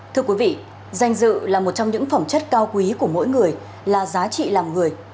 thưa quý vị danh dự là một trong những phẩm chất cao quý của mỗi người là giá trị làm người